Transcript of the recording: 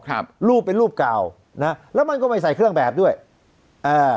ครับรูปเป็นรูปเก่านะแล้วมันก็ไม่ใส่เครื่องแบบด้วยอ่า